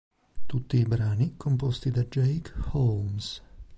Tutti i brani composti da Jake Holmes